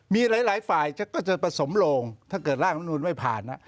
มีหลายฝ่ายก็จะผสมโลงถ้าเกิดร่างรัฐมนุนไม่ผ่าน